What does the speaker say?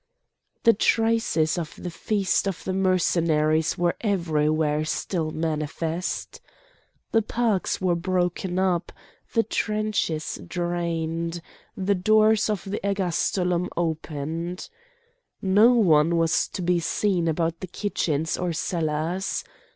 The traces of the feast of the Mercenaries were everywhere still manifest. The parks were broken up, the trenches drained, the doors of the ergastulum open. No one was to be seen about the kitchens or cellars.